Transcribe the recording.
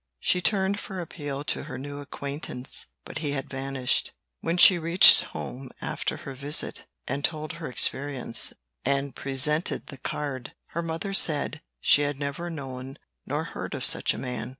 She turned for appeal to her new acquaintance, but he had vanished. When she reached home after her visit, and told her experience, and presented the card, her mother said she had never known nor heard of such a man.